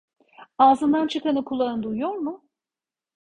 Ağzından çıkanı kulağın duyuyor mu?